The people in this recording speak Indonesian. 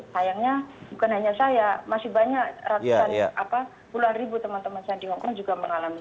sayangnya bukan hanya saya masih banyak ratusan puluhan ribu teman teman saya di hongkong juga mengalami